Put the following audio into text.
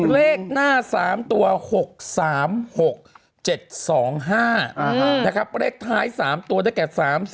๙๙๙๙๙๙๗เลขหน้า๓ตัว๖๓๖๗๒๕เลขท้าย๓ตัวได้แก่๓๔๒๙๕๗